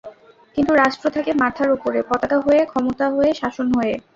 কিন্তু রাষ্ট্র থাকে মাথার ওপরে, পতাকা হয়ে, ক্ষমতা হয়ে, শাসন হয়ে।